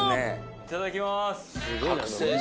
いただきます